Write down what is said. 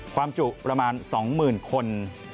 ความจุประมาณ๒หมื่นคน